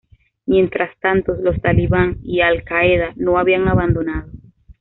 Mientras tanto, los talibán y Al Qaeda no habían abandonado.